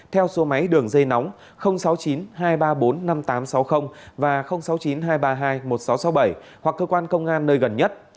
theo số máy đường dây nóng sáu mươi chín hai trăm ba mươi bốn năm nghìn tám trăm sáu mươi và sáu mươi chín hai trăm ba mươi hai một nghìn sáu trăm sáu mươi bảy hoặc cơ quan công an nơi gần nhất